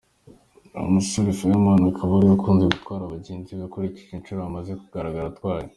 Umusore Fireman akaba ariwe ukunze gutwara bagenzi be ukurikije inshuro amaze kugaragara atwaye.